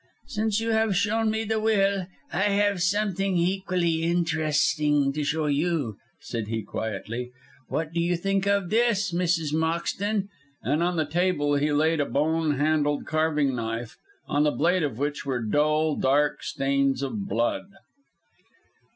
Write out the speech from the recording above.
"Since you have shown me the will, I have something equally interesting to show you," said he, quietly. "What do you think of this, Mrs. Moxton?" And on the table he laid a bone handled carving knife, on the blade of which were dull, dark stains of blood.